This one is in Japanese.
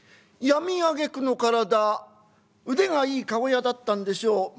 病みあげくの体腕がいい駕籠屋だったんでしょう